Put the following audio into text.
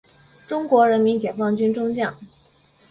中国人民解放军中将。